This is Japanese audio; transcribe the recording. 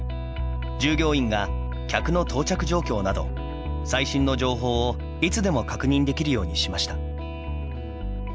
従業員が客の到着状況など最新の情報をいつでも確認できるようにしました。